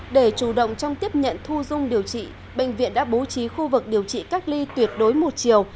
để chủ động trong tiếp nhận thu dung điều trị bệnh viện đã bố trí khu vực điều trị cách ly tuyệt đối một chiều